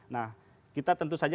nah kita tentu saja